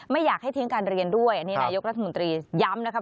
ไม่อยากให้ทิ้งการเรียนด้วยอันนี้นายกรัฐมนตรีย้ำนะครับ